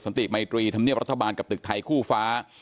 ติมัยตรีธรรมเนียบรัฐบาลกับตึกไทยคู่ฟ้า